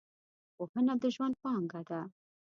پوهنه د ژوند پانګه ده .